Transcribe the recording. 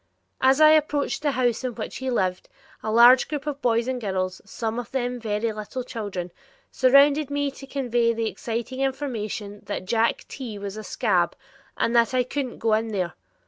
As I approached the house in which he lived, a large group of boys and girls, some of them very little children, surrounded me to convey the exciting information that "Jack T. was a 'scab'," and that I couldn't go in there.